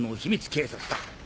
警察だ。